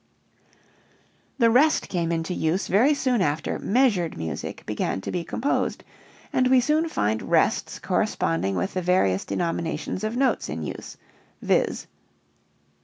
The rest came into use very soon after "measured music" began to be composed and we soon find rests corresponding with the various denominations of notes in use, viz.